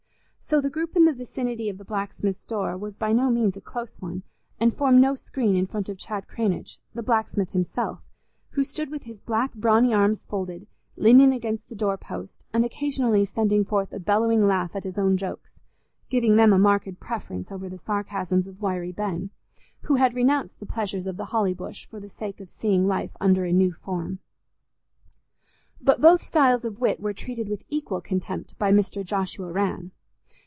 So the group in the vicinity of the blacksmith's door was by no means a close one, and formed no screen in front of Chad Cranage, the blacksmith himself, who stood with his black brawny arms folded, leaning against the door post, and occasionally sending forth a bellowing laugh at his own jokes, giving them a marked preference over the sarcasms of Wiry Ben, who had renounced the pleasures of the Holly Bush for the sake of seeing life under a new form. But both styles of wit were treated with equal contempt by Mr. Joshua Rann.